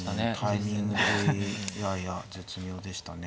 タイミングでいやいや絶妙でしたね。